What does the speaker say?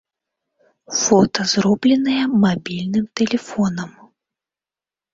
Фота зробленыя мабільным тэлефонам.